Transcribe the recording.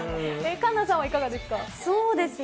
環奈さんはいかがですか。